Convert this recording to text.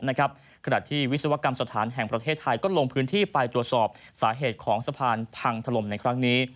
ขณะที่วิศวกรรมสถานแห่งประเทศไทยก็ลงพื้นที่ไปตรวจสอบสาเหตุของสะพานพังถล่มในครั้งนี้